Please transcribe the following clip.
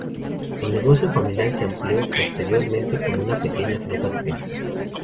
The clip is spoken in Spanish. El negocio familiar se amplió posteriormente con una pequeña flota de pesca.